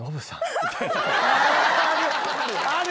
ある！